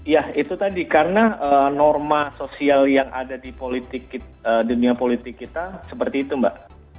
ya itu tadi karena norma sosial yang ada di politik dunia politik kita seperti itu mbak